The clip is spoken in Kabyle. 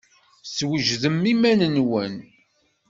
Swejdem iman-nwen!